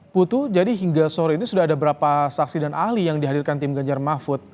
putu jadi hingga sore ini sudah ada berapa saksi dan ahli yang dihadirkan tim ganjar mahfud